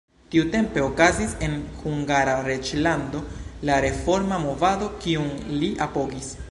Tiutempe okazis en Hungara reĝlando la reforma movado, kiun li apogis.